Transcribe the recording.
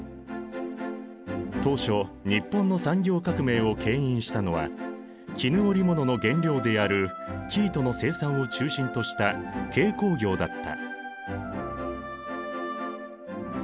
当初日本の産業革命をけん引したのは絹織物の原料である生糸の生産を中心とした軽工業だった。